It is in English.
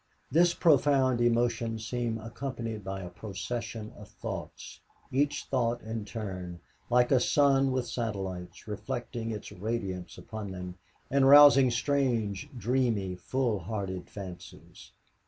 This profound emotion seemed accompanied by a procession of thoughts, each thought in turn, like a sun with satellites, reflecting its radiance upon them and rousing strange, dreamy, full hearted fancies...